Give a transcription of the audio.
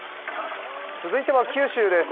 続いては九州です。